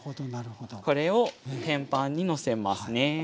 これを天板にのせますね。